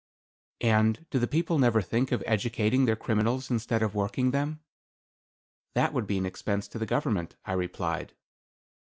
"And do the people never think of educating their criminals instead of working them? "That would be an expense to the government," I replied.